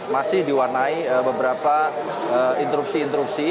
masih diwarnai beberapa interupsi interupsi